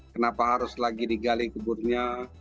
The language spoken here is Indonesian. kenapa harus lagi digali keburnya